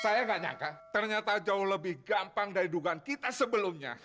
saya nggak nyangka ternyata jauh lebih gampang dari dugaan kita sebelumnya